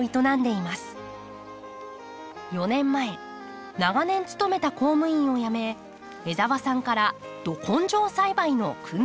４年前長年勤めた公務員を辞め江澤さんからど根性栽培の薫陶を受けました。